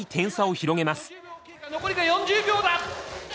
残りが４０秒だ。